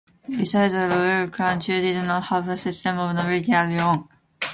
Besides the royal clans, Chu did not have a system of nobility early on.